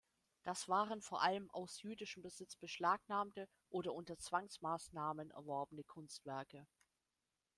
Das waren vor allem aus jüdischem Besitz beschlagnahmte oder unter Zwangsmaßnahmen erworbene Kunstwerke.